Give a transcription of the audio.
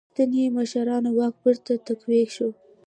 سنتي مشرانو واک بېرته تقویه شو.